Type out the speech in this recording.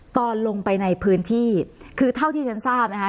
ตอนลงไปในพื้นที่คือเท่าที่ฉันทราบนะคะ